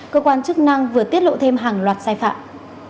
cơ quan chức năng vừa tiết lộ thêm hàng loạt sai phạm